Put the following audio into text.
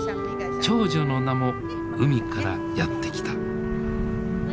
長女の名も海からやって来た。